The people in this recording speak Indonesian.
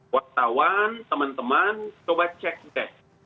wartawan teman teman coba cek cek